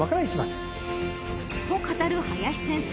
［と語る林先生］